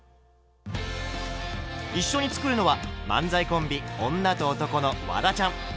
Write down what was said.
一緒に作るのは漫才コンビ「女と男」のワダちゃん。